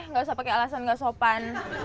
nggak usah pakai alasan nggak sopan